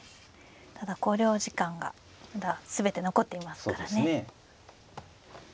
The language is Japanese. ただ考慮時間がまだ全て残っていますからね。